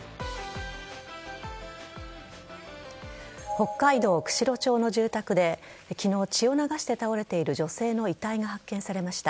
北海道釧路町の住宅で昨日、血を流して倒れている女性の遺体が発見されました。